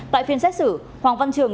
tại phiên xét xử hoàng văn trường